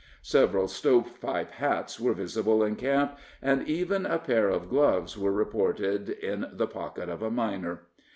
Several stove pipe hats were visible in camp, and even a pair of gloves were reported in the pocket of a miner.